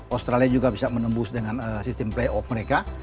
australia juga bisa menembus dengan sistem playoff mereka